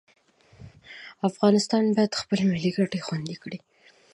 افغانستان باید خپلې ملي ګټې خوندي کړي.